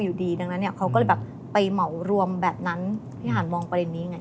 อยู่ดีดังนั้นเนี่ยเขาก็เลยแบบไปเหมารวมแบบนั้นพี่หันมองประเด็นนี้ไง